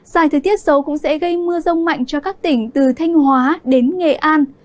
dài thời tiết xấu cũng sẽ gây mưa rông mạnh cho các tỉnh từ thanh hóa đến nghệ an